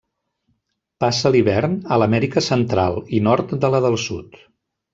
Passa l'hivern a l'Amèrica Central i nord de la del Sud.